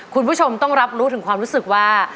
คุณผู้ชมต้องรับรู้ถึงความรู้สึกว่า